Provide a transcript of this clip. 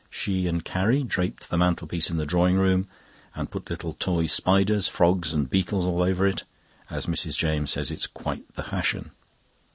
She and Carrie draped the mantelpiece in the drawing room, and put little toy spiders, frogs and beetles all over it, as Mrs. James says it's quite the fashion.